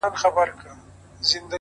په خپلو اوښکو!!